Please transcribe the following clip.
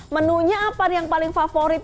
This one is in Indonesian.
menunya apa nih yang paling favorit